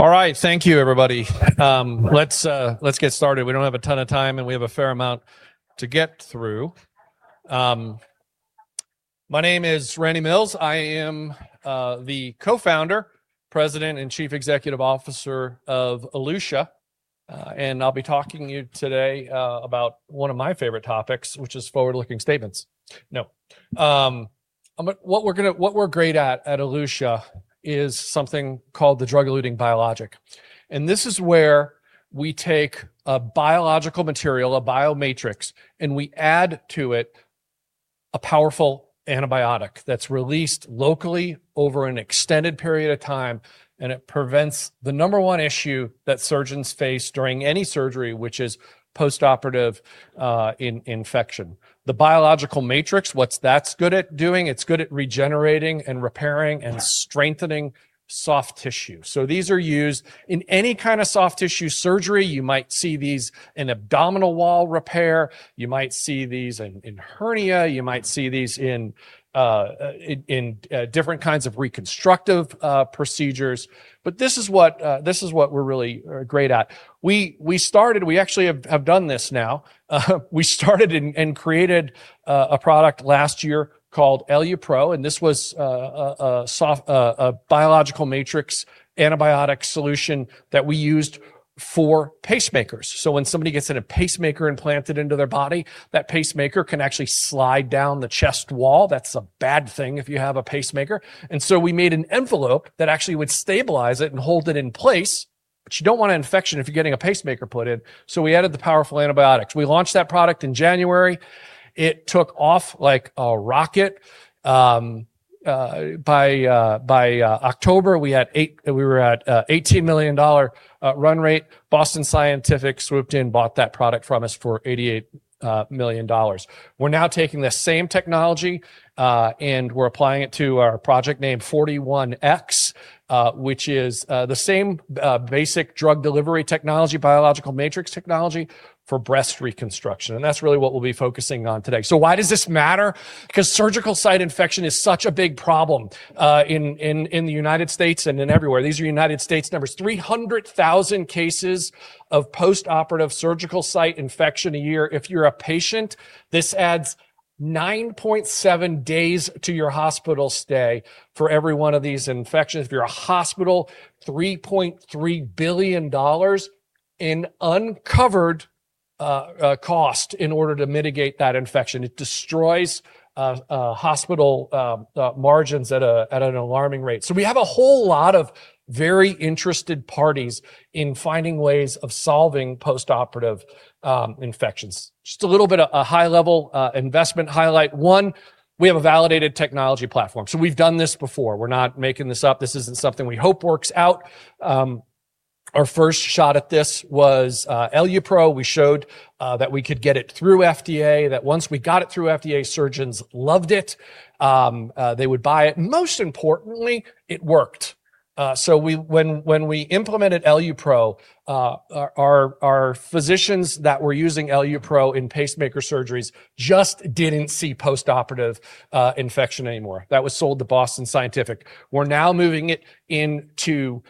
All right. Thank you, everybody. Let's get started. We don't have a ton of time, and we have a fair amount to get through. My name is Randy Mills. I am the Co-Founder, President, and Chief Executive Officer of Elutia. I'll be talking to you today about one of my favorite topics, which is forward-looking statements. No. What we're great at Elutia is something called the drug-eluting biologic, and this is where we take a biological material, a biomatrix, and we add to it a powerful antibiotic that's released locally over an extended period of time, and it prevents the number one issue that surgeons face during any surgery, which is postoperative infection. The biological matrix, what's that's good at doing, it's good at regenerating and repairing and strengthening soft tissue. These are used in any kind of soft tissue surgery. You might see these in abdominal wall repair. You might see these in hernia. You might see these in different kinds of reconstructive procedures. This is what we're really great at. We actually have done this now. We started and created a product last year called EluPro. This was a biological matrix antibiotic solution that we used for pacemakers. When somebody gets a pacemaker implanted into their body, that pacemaker can actually slide down the chest wall. That's a bad thing if you have a pacemaker. We made an envelope that actually would stabilize it and hold it in place. You don't want an infection if you're getting a pacemaker put in, we added the powerful antibiotics. We launched that product in January. It took off like a rocket. By October, we were at $18 million run rate. Boston Scientific swooped in, bought that product from us for $88 million. We're now taking the same technology, we're applying it to our project named NXT-41x, which is the same basic drug delivery technology, biological matrix technology for breast reconstruction, that's really what we'll be focusing on today. Why does this matter? Because surgical site infection is such a big problem, in United States and everywhere. These are United States numbers, 300,000 cases of postoperative surgical site infection a year. If you're a patient, this adds 9.7 days to your hospital stay for every one of these infections. If you're a hospital, $3.3 billion in uncovered cost in order to mitigate that infection. It destroys hospital margins at an alarming rate. We have a whole lot of very interested parties in finding ways of solving postoperative infections. Just a little bit of a high-level investment highlight. 1, we have a validated technology platform. We've done this before. We're not making this up. This isn't something we hope works out. Our first shot at this was EluPro. We showed that we could get it through FDA, that once we got it through FDA, surgeons loved it. They would buy it, most importantly, it worked. When we implemented EluPro, our physicians that were using EluPro in pacemaker surgeries just didn't see postoperative infection anymore. That was sold to Boston Scientific. We're now moving it into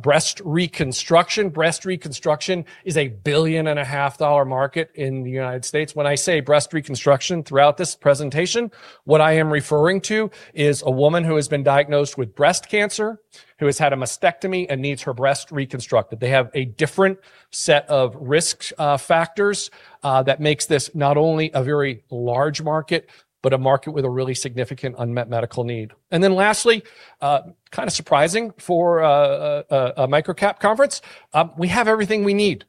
breast reconstruction. Breast reconstruction is a $1.5 billion market in United States. When I say breast reconstruction throughout this presentation, what I am referring to is a woman who has been diagnosed with breast cancer, who has had a mastectomy, needs her breast reconstructed. They have a different set of risk factors that makes this not only a very large market, but a market with a really significant unmet medical need. Lastly, kind of surprising for a microcap conference, we have everything we need.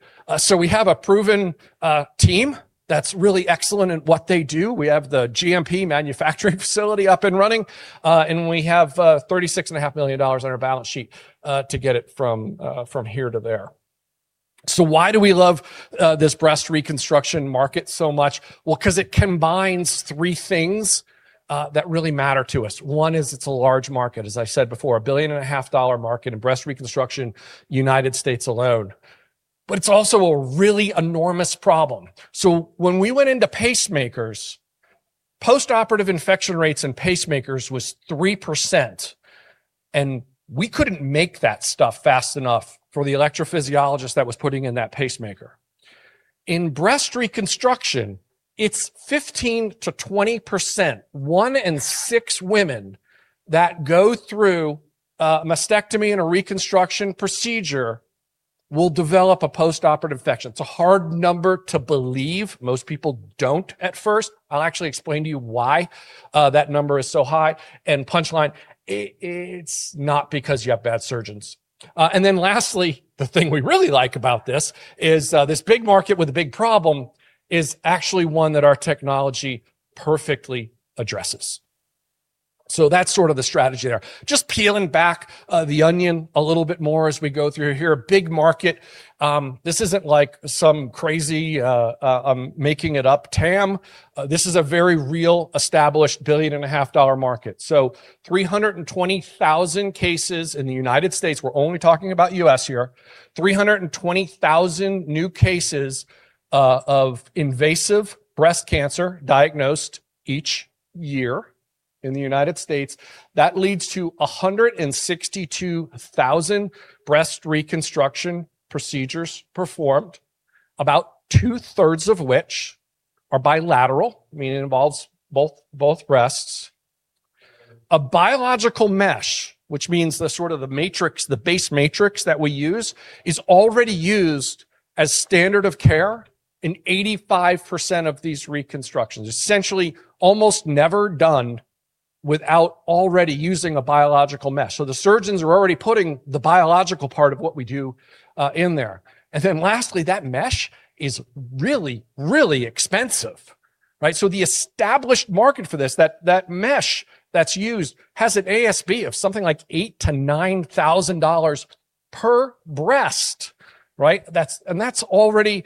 We have a proven team that's really excellent at what they do. We have the GMP manufacturing facility up and running. We have $36.5 million on our balance sheet to get it from here to there. Why do we love this breast reconstruction market so much? Because it combines three things that really matter to us. 1, it's a large market, as I said before, a $1.5 billion market in breast reconstruction, United States alone. It's also a really enormous problem. When we went into pacemakers, postoperative infection rates in pacemakers was 3%, we couldn't make that stuff fast enough for the electrophysiologist that was putting in that pacemaker. In breast reconstruction, it's 15%-20%. One in six women that go through a mastectomy and a reconstruction procedure will develop a postoperative infection. It's a hard number to believe. Most people don't at first. I'll actually explain to you why that number is so high, and punchline, it's not because you have bad surgeons. Lastly, the thing we really like about this is, this big market with a big problem is actually one that our technology perfectly addresses. That's sort of the strategy there. Just peeling back the onion a little bit more as we go through here. A big market. This isn't like some crazy making it up TAM. This is a very real established $1.5 billion market. 320,000 cases in the United States. We're only talking about U.S. here. 320,000 new cases of invasive breast cancer diagnosed each year. In United States, that leads to 162,000 breast reconstruction procedures performed, about two-thirds of which are bilateral, meaning it involves both breasts. A biological mesh, which means the base matrix that we use, is already used as standard of care in 85% of these reconstructions. Essentially, almost never done without already using a biological mesh. The surgeons are already putting the biological part of what we do in there. Lastly, that mesh is really, really expensive. Right. The established market for this, that mesh that's used, has an ASP of something like $8,000-$9,000 per breast. Right. That's already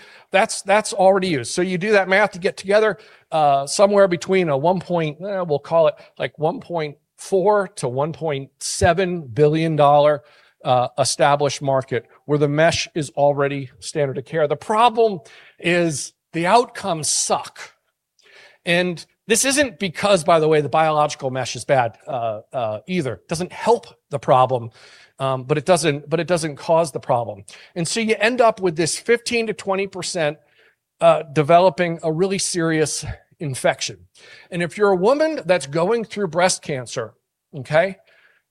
used. You do that math to get together, somewhere between a, we'll call it, $1.4 billion-$1.7 billion established market where the mesh is already standard of care. The problem is the outcomes suck. This isn't because, by the way, the biological mesh is bad either. Doesn't help the problem, but it doesn't cause the problem. You end up with this 15%-20% developing a really serious infection. If you're a woman that's going through breast cancer, okay,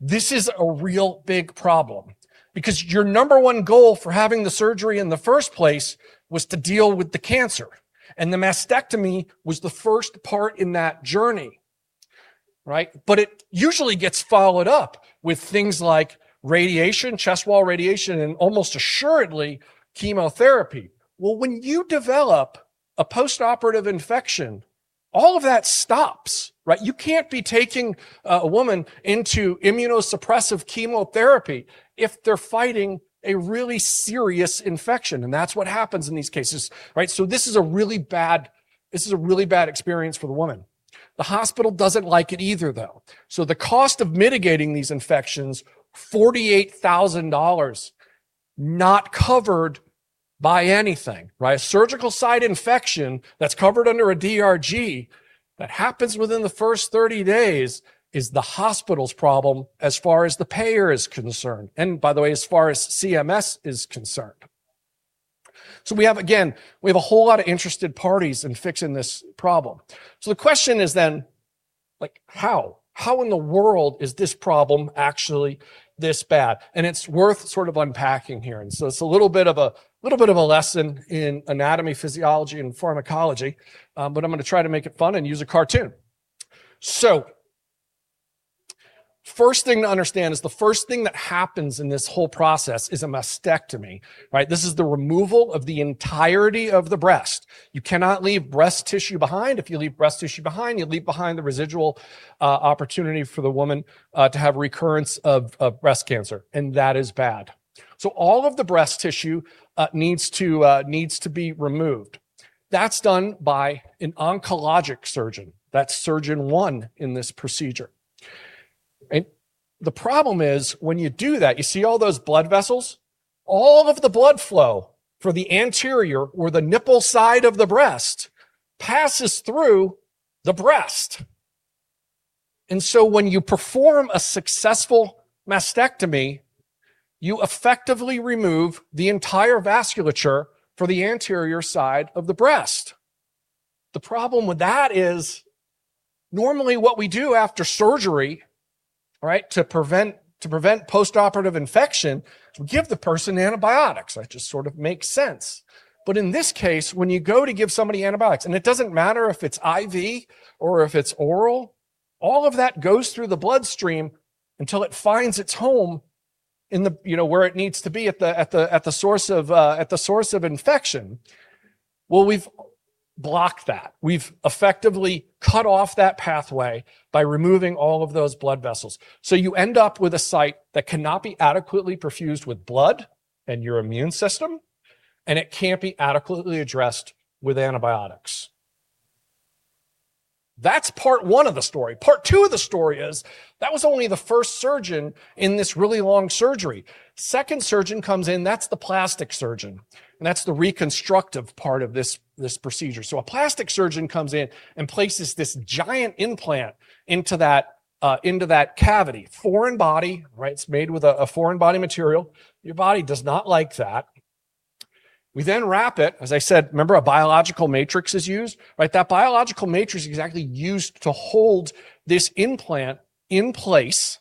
this is a real big problem, because your number one goal for having the surgery in the first place was to deal with the cancer. The mastectomy was the first part in that journey. Right. It usually gets followed up with things like radiation, chest wall radiation, and almost assuredly, chemotherapy. When you develop a postoperative infection, all of that stops. Right. You can't be taking a woman into immunosuppressive chemotherapy if they're fighting a really serious infection. That's what happens in these cases. Right? This is a really bad experience for the woman. The hospital doesn't like it either, though. The cost of mitigating these infections, $48,000, not covered by anything. Right? A surgical site infection that's covered under a DRG that happens within the first 30 days is the hospital's problem as far as the payer is concerned, and by the way, as far as CMS is concerned. We have, again, we have a whole lot of interested parties in fixing this problem. The question is then, how? How in the world is this problem actually this bad? It's worth sort of unpacking here. It's a little bit of a lesson in anatomy, physiology, and pharmacology. I'm going to try to make it fun and use a cartoon. First thing to understand is the first thing that happens in this whole process is a mastectomy. Right? This is the removal of the entirety of the breast. You cannot leave breast tissue behind. If you leave breast tissue behind, you leave behind the residual opportunity for the woman to have recurrence of breast cancer, and that is bad. All of the breast tissue needs to be removed. That's done by an oncologic surgeon. That's surgeon one in this procedure. The problem is when you do that, you see all those blood vessels? All of the blood flow for the anterior or the nipple side of the breast passes through the breast. When you perform a successful mastectomy, you effectively remove the entire vasculature for the anterior side of the breast. The problem with that is normally what we do after surgery, right, to prevent postoperative infection, is give the person antibiotics. That just sort of makes sense. In this case, when you go to give somebody antibiotics, and it doesn't matter if it's IV or if it's oral, all of that goes through the bloodstream until it finds its home where it needs to be at the source of infection. Well, we've blocked that. We've effectively cut off that pathway by removing all of those blood vessels. You end up with a site that cannot be adequately perfused with blood and your immune system, and it can't be adequately addressed with antibiotics. That's part one of the story. Part two of the story is that was only the 1st surgeon in this really long surgery. 2nd surgeon comes in, that's the plastic surgeon, and that's the reconstructive part of this procedure. A plastic surgeon comes in and places this giant implant into that cavity. Foreign body, right, it's made with a foreign body material. Your body does not like that. We then wrap it, as I said, remember a biological matrix is used, right? That biological matrix is actually used to hold this implant in place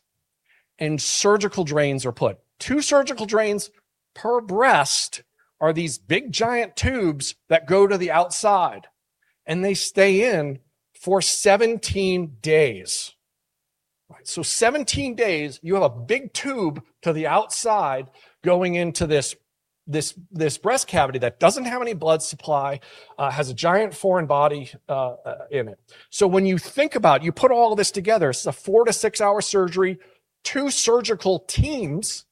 and surgical drains are put. Two surgical drains per breast are these big giant tubes that go to the outside, and they stay in for 17 days. Right? 17 days you have a big tube to the outside going into this breast cavity that doesn't have any blood supply, has a giant foreign body in it. When you think about, you put all this together, it's a four to six hour surgery, two surgical teams,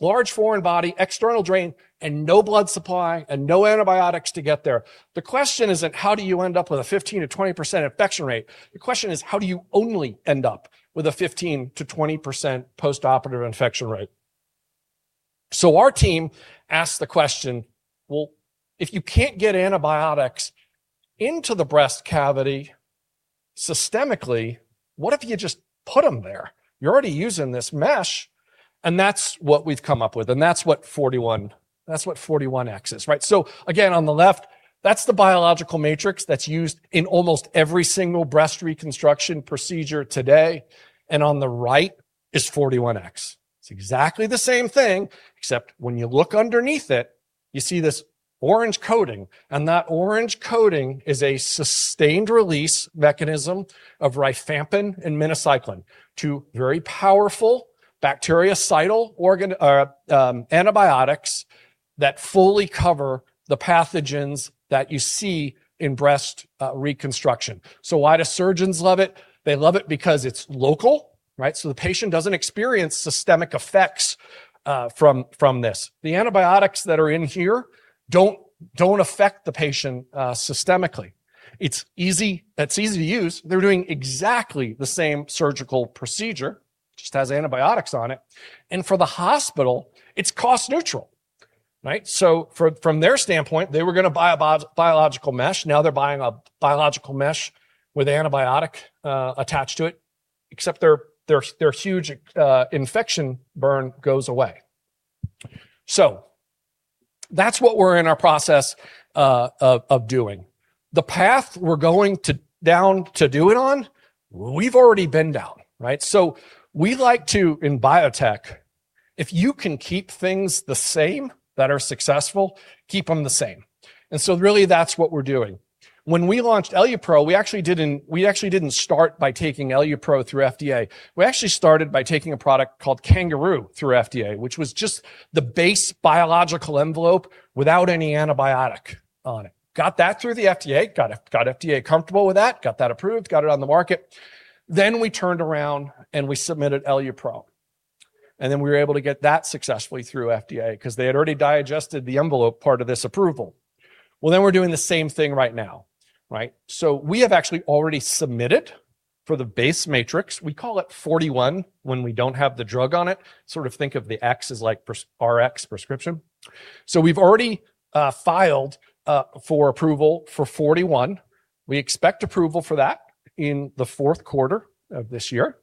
large foreign body, external drain, and no blood supply, and no antibiotics to get there. The question isn't how do you end up with a 15%-20% infection rate. The question is how do you only end up with a 15%-20% postoperative infection rate? Our team asked the question: Well, if you can't get antibiotics into the breast cavity systemically, what if you just put them there? You're already using this mesh. That's what we've come up with, and that's what 41X is. Again, on the left, that's the biological matrix that's used in almost every single breast reconstruction procedure today. On the right is 41X. It's exactly the same thing, except when you look underneath it, you see this orange coating, and that orange coating is a sustained release mechanism of rifampin and minocycline, two very powerful bactericidal antibiotics that fully cover the pathogens that you see in breast reconstruction. Why do surgeons love it? They love it because it's local. The patient doesn't experience systemic effects from this. The antibiotics that are in here don't affect the patient systemically. It's easy to use. They're doing exactly the same surgical procedure, just has antibiotics on it. For the hospital, it's cost neutral. From their standpoint, they were going to buy a biological mesh. Now they're buying a biological mesh with antibiotic attached to it. Except their huge infection burn goes away. That's what we're in our process of doing. The path we're going down to do it on, we've already been down. We like to, in biotech, if you can keep things the same that are successful, keep them the same. Really that's what we're doing. When we launched EluPro, we actually didn't start by taking EluPro through FDA. We actually started by taking a product called CanGaroo through FDA, which was just the base biological envelope without any antibiotic on it. Got that through the FDA, got FDA comfortable with that, got that approved, got it on the market. We turned around and we submitted EluPro, and then we were able to get that successfully through FDA because they had already digested the envelope part of this approval. We're doing the same thing right now. We have actually already submitted for the base matrix. We call it 41 when we don't have the drug on it, sort of think of the X as like Rx, prescription. We've already filed for approval for 41. We expect approval for that in the fourth quarter of this year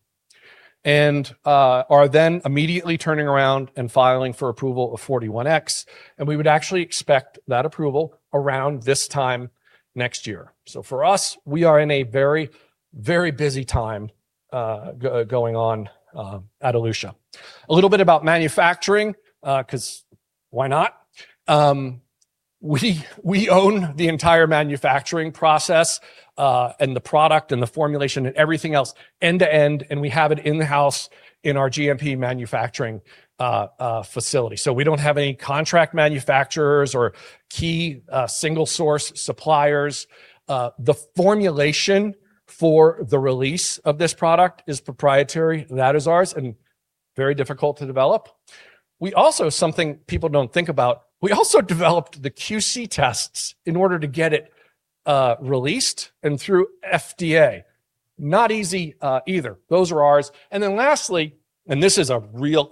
and are then immediately turning around and filing for approval of 41X, and we would actually expect that approval around this time next year. For us, we are in a very busy time going on at Elutia. A little bit about manufacturing, because why not? We own the entire manufacturing process, and the product, and the formulation, and everything else end to end. We have it in-house in our GMP manufacturing facility. We don't have any contract manufacturers or key single source suppliers. The formulation for the release of this product is proprietary. That is ours and very difficult to develop. Something people don't think about, we also developed the QC tests in order to get it released and through FDA. Not easy either. Those are ours. Lastly, this is a real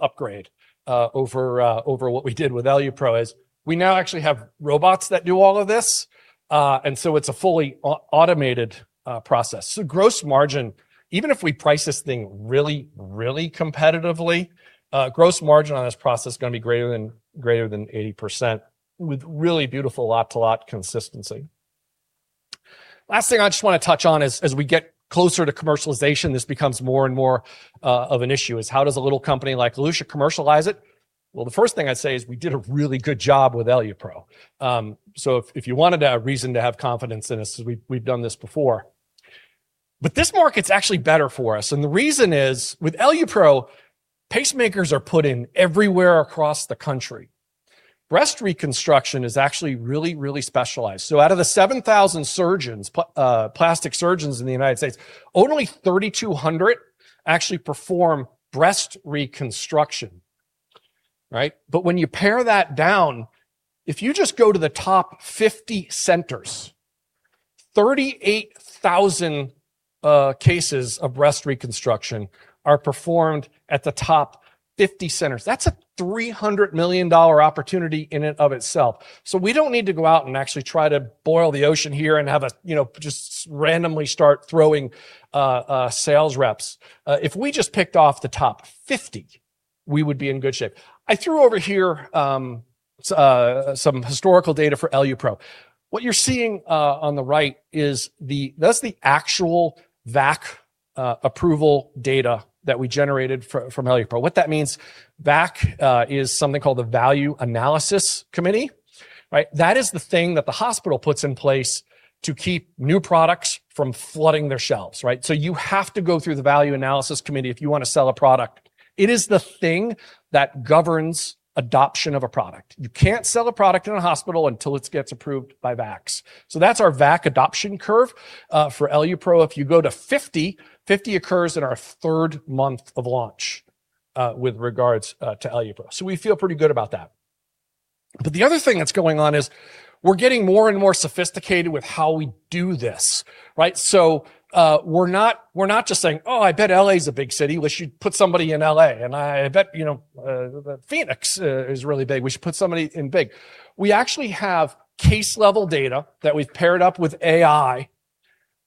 upgrade over what we did with EluPro, we now actually have robots that do all of this, it's a fully automated process. Gross margin, even if we price this thing really competitively, gross margin on this process is going to be greater than 80% with really beautiful lot-to-lot consistency. Last thing I just want to touch on is as we get closer to commercialization, this becomes more and more of an issue, is how does a little company like Elutia commercialize it? The first thing I'd say is we did a really good job with EluPro. If you wanted a reason to have confidence in us is we've done this before. This market's actually better for us, the reason is, with EluPro, pacemakers are put in everywhere across the country. Breast reconstruction is actually really specialized. Out of the 7,000 plastic surgeons in the United States, only 3,200 actually perform breast reconstruction. When you pare that down, if you just go to the top 50 centers, 38,000 cases of breast reconstruction are performed at the top 50 centers. That's a $300 million opportunity in and of itself. We don't need to go out and actually try to boil the ocean here and just randomly start throwing sales reps. If we just picked off the top 50, we would be in good shape. I threw over here some historical data for EluPro. What you're seeing on the right is that's the actual VAC approval data that we generated from EluPro. What that means, VAC is something called the Value Analysis Committee. That is the thing that the hospital puts in place to keep new products from flooding their shelves. You have to go through the Value Analysis Committee if you want to sell a product. It is the thing that governs adoption of a product. You can't sell a product in a hospital until it gets approved by VACs. That's our VAC adoption curve for EluPro. If you go to 50 occurs in our third month of launch with regards to EluPro. The other thing that's going on is we're getting more and more sophisticated with how we do this. Right? We're not just saying, "Oh, I bet L.A. is a big city. We should put somebody in L.A." "I bet Phoenix is really big. We should put somebody in big." We actually have case-level data that we've paired up with AI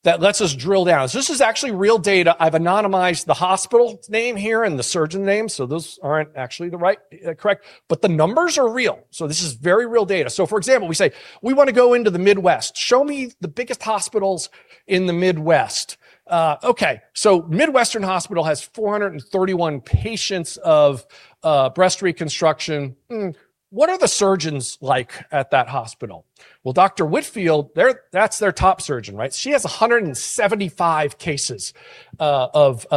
that lets us drill down. This is actually real data. I've anonymized the hospital name here and the surgeon names, those aren't actually the correct, but the numbers are real. This is very real data. For example, we say we want to go into the Midwest. Show me the biggest hospitals in the Midwest. Okay. Midwestern Hospital has 431 patients of breast reconstruction. Hmm. What are the surgeons like at that hospital? Dr. Whitfield, that's their top surgeon. Right? She has 175 cases of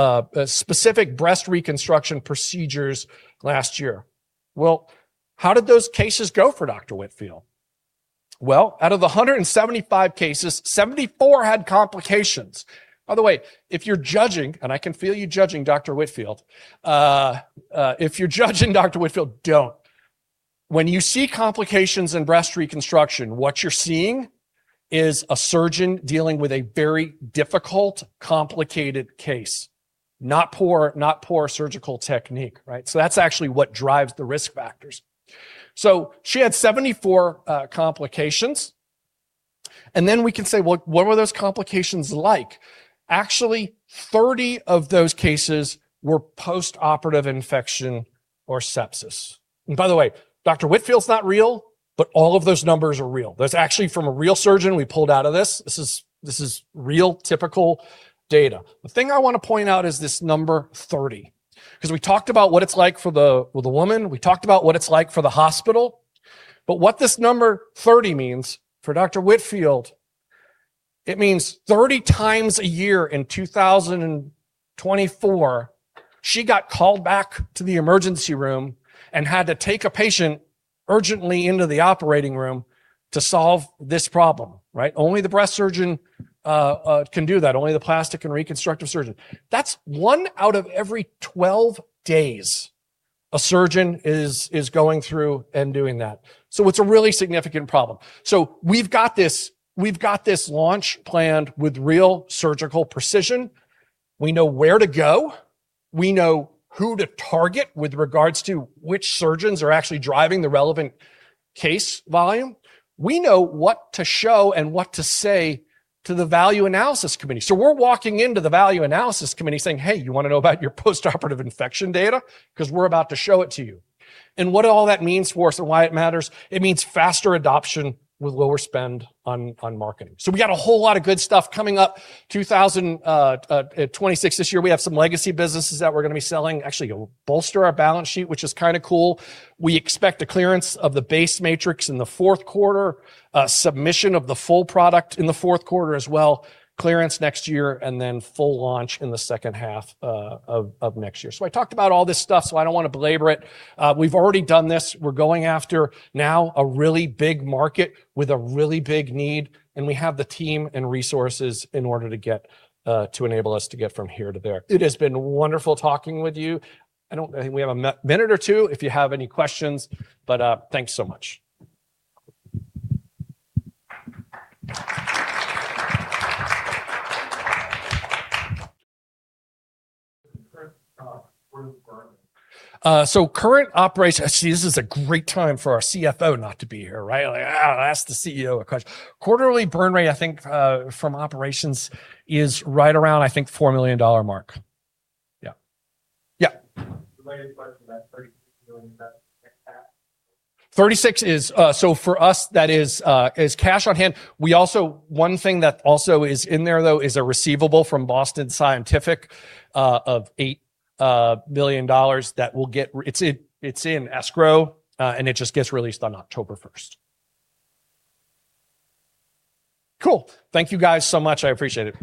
specific breast reconstruction procedures last year. How did those cases go for Dr. Whitfield? Well, out of the 175 cases, 74 had complications. By the way, if you're judging, and I can feel you judging Dr. Whitfield, if you're judging Dr. Whitfield, don't. When you see complications in breast reconstruction, what you're seeing is a surgeon dealing with a very difficult, complicated case, not poor surgical technique. Right? That's actually what drives the risk factors. She had 74 complications, we can say, well, what were those complications like? Actually, 30 of those cases were postoperative infection or sepsis. By the way, Dr. Whitfield's not real, but all of those numbers are real. That's actually from a real surgeon we pulled out of this. This is real typical data. The thing I want to point out is this number 30, because we talked about what it's like for the woman, we talked about what it's like for the hospital, but what this number 30 means for Dr. Whitfield, it means 30 times a year in 2024, she got called back to the emergency room and had to take a patient urgently into the operating room to solve this problem. Right? Only the breast surgeon can do that, only the plastic and reconstructive surgeon. That's one out of every 12 days a surgeon is going through and doing that. It's a really significant problem. We've got this launch planned with real surgical precision. We know where to go. We know who to target with regards to which surgeons are actually driving the relevant case volume. We know what to show and what to say to the value analysis committee. We're walking into the value analysis committee saying, "Hey, you want to know about your postoperative infection data? Because we're about to show it to you." What all that means for us and why it matters, it means faster adoption with lower spend on marketing. We got a whole lot of good stuff coming up, 2026. This year, we have some legacy businesses that we're going to be selling, actually it'll bolster our balance sheet, which is kind of cool. We expect a clearance of the base matrix in the fourth quarter, submission of the full product in the fourth quarter as well, clearance next year, then full launch in the second half of next year. I talked about all this stuff, so I don't want to belabor it. We've already done this. We're going after now a really big market with a really big need, we have the team and resources in order to enable us to get from here to there. It has been wonderful talking with you. I think we have a minute or two if you have any questions, but thanks so much. Current burn. Current operations. Actually, this is a great time for our CFO not to be here, right? Like, ask the CEO a question. Quarterly burn rate, I think from operations is right around, I think $4 million mark. Yeah. Related question, that $36 million cash. 36, for us, that is cash on hand. One thing that also is in there, though, is a receivable from Boston Scientific of $8 million. It's in escrow, and it just gets released on October 1st. Cool. Thank you guys so much. I appreciate it